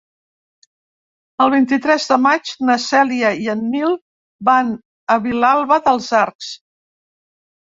El vint-i-tres de maig na Cèlia i en Nil van a Vilalba dels Arcs.